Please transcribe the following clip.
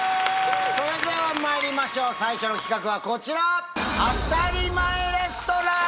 それではまいりましょう最初の企画はこちら！